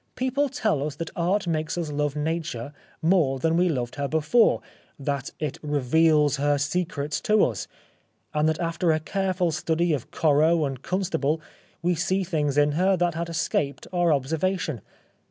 People tell us that Art makes us love Nature more than we loved her before ; that it reveals her secrets to us ; and that after a careful study of Corot and Constable we see things in her that had escaped our observation.